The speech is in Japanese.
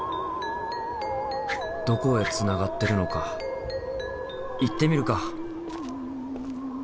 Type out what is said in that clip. どこへつながってるのか行ってみるか。